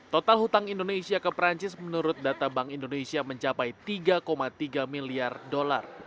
total hutang indonesia ke perancis menurut data bank indonesia mencapai tiga tiga miliar dolar